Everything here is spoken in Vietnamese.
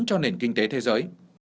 cho nền kinh tế thế giới